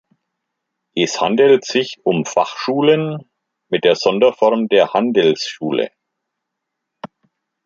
Es handelt sich um Fachschulen, mit der Sonderform der Handelsschule.